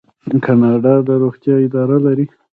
کاناډا د روغتیا اداره لري.